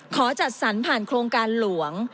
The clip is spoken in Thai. ขอจัดสรรผ่านโครงการหลวง